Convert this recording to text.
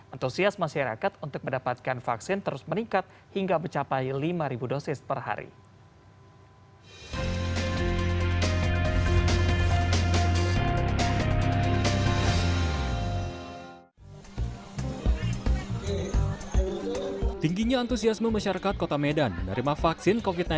antusias masyarakat untuk mendapatkan vaksin terus meningkat hingga mencapai lima dosis per hari